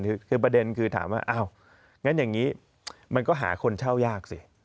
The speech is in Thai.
คือประเด็นคือถามว่าอ้าวงั้นอย่างนี้มันก็หาคนเช่ายากสิ